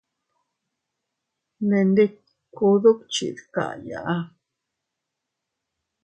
Nendikku dukchi dkayaa.